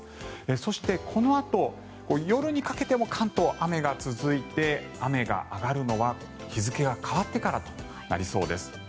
そして、このあと夜にかけても関東は雨が続いて雨が上がるのは日付が変わってからとなりそうです。